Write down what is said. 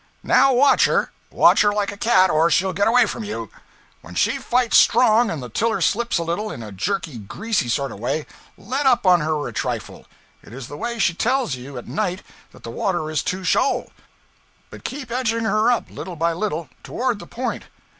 'Now watch her; watch her like a cat, or she'll get away from you. When she fights strong and the tiller slips a little, in a jerky, greasy sort of way, let up on her a trifle; it is the way she tells you at night that the water is too shoal; but keep edging her up, little by little, toward the point.